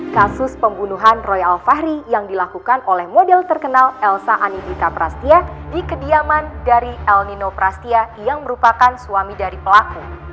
kasus pembunuhan roy alfahri yang dilakukan oleh model terkenal elsa anidika prastia di kediaman dari el nino prastia yang merupakan suami dari pelaku